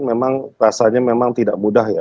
memang rasanya memang tidak mudah ya